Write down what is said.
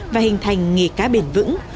và hình thành nghề cá bền vững